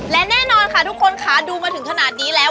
และแน่นอนค่ะทุกคนค่ะดูมาถึงขนาดนี้แล้ว